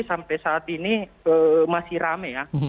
sampai saat ini masih rame ya